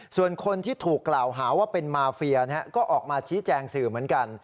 ส่วนคนที่ถูกกล่าวหาว่าเป็นมาเฟียก็ออกมาชี้แจงสื่อเหมือนกัน